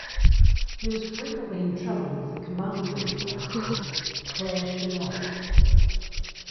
He was frequently in trouble with the commander of the outfit, Claire Chennault.